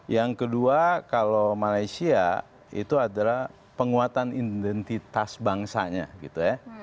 yang kedua kalau malaysia itu adalah penguatan identitas bangsanya gitu ya